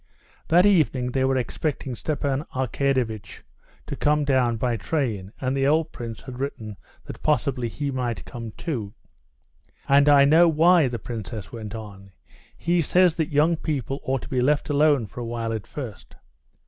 That evening they were expecting Stepan Arkadyevitch to come down by train, and the old prince had written that possibly he might come too. "And I know why," the princess went on; "he says that young people ought to be left alone for a while at first."